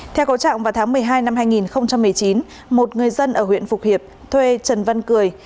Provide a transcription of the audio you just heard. theo cầu trạng vào tháng một mươi hai năm hai nghìn một mươi chín một người dân ở huyện phục hiệp thuê trần văn cười